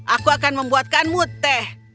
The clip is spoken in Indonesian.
aku akan membuatkanmu teh